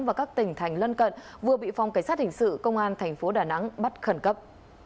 và các tỉnh thành lân cận vừa bị phòng cảnh sát hình sự công an thành phố đà nẵng bắt khẩn cấp